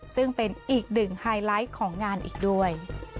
ซึ่งเป็นอีกหนึ่งไฮไลท์ของงานอีกด้วย